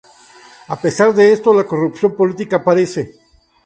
A pesar de esto, la corrupción política aparece.